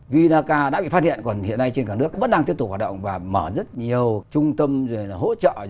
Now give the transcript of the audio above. vinaca đã bị phát hiện còn hiện nay trên cả nước vẫn đang tiếp tục hoạt động và mở rất nhiều trung tâm hỗ trợ